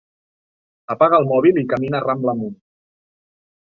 Apaga el mòbil i camina Rambla amunt.